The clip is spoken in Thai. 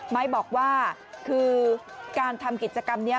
ไม้บอกว่าคือการทำกิจกรรมนี้